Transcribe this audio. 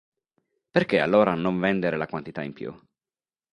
Perché allora non vendere la quantità in più?